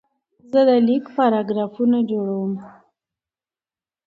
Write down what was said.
زه د لیک پاراګرافونه جوړوم.